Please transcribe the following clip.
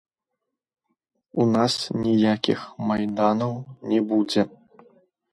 У нас ніякіх майданаў не будзе.